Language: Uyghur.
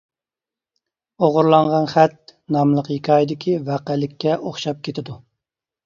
«ئوغرىلانغان خەت» ناملىق ھېكايىدىكى ۋەقەلىككە ئوخشاپ كېتىدۇ.